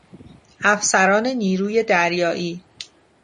افسران نیروی دریایی